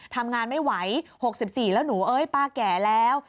ทำงานไม่ไหว๖๔แล้วหนูเอ้ยป้าแก่แล้ว